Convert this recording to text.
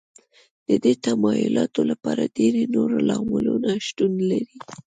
د دې تمایلاتو لپاره ډېری نور لاملونو شتون لري